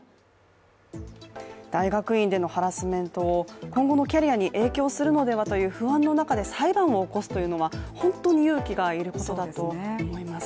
大学院でのハラスメントを今後のキャリアに影響するのではという不安の中で裁判を起こすというのは本当に勇気が要ることだと思います。